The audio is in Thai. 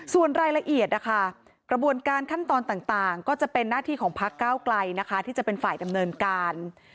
ส่วนรายละเอียดนะคะกระบวนการขั้นตอนต่างก็จะเป็นหน้าที่ของพักเก้าไกลนะคะที่จะเป็นฝ่ายดำเนินการ